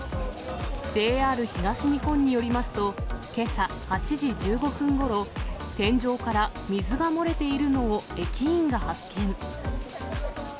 ＪＲ東日本によりますと、けさ８時１５分ごろ、天井から水が漏れているのを駅員が発見。